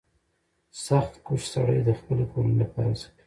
• سختکوش سړی د خپلې کورنۍ لپاره هڅه کوي.